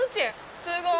すごい。